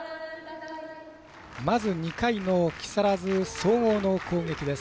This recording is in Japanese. まず、２回の木更津総合の攻撃です。